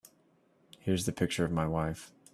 Here's the picture of my wife.